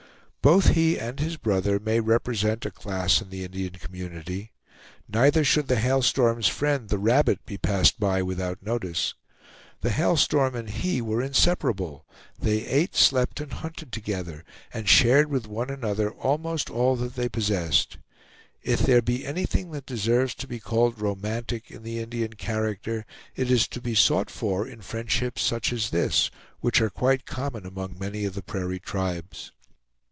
Both he and his brother may represent a class in the Indian community; neither should the Hail Storm's friend, the Rabbit, be passed by without notice. The Hail Storm and he were inseparable; they ate, slept, and hunted together, and shared with one another almost all that they possessed. If there be anything that deserves to be called romantic in the Indian character, it is to be sought for in friendships such as this, which are quite common among many of the prairie tribes.